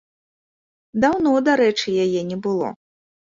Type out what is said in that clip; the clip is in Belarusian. Даўно, дарэчы, яе не было.